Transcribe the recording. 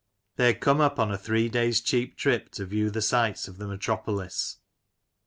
They had come up on a three day's cheap trip to view the sights of the Metropolis.